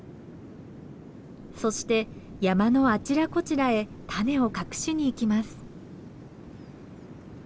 そして山のあちらこちらへ種を隠しにいきます。